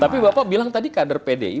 tapi bapak bilang tadi kader pdi